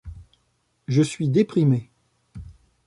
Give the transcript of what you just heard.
Je suis déprimée.